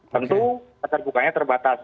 tentu terbukanya terbatas